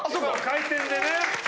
回転でね。